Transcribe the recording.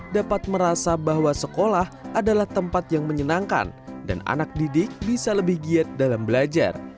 dapat merasa bahwa sekolah adalah tempat yang menyenangkan dan anak didik bisa lebih giat dalam belajar